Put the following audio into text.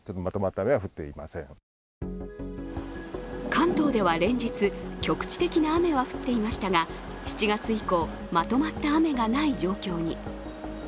関東では連日、局地的な雨は降っていましたが７月以降、まとまった雨がない状況に。